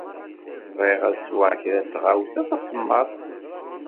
Bɣiɣ ad sweɣ kra n tɣawsa tasemmaḍt.